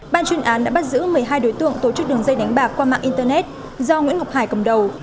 ban chuyên án đã bắt giữ một mươi hai đối tượng tổ chức đường dây đánh bạc qua mạng internet do nguyễn ngọc hải cầm đầu